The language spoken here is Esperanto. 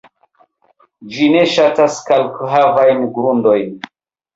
Ĝi ne ŝatas kalkhavajn grundojn.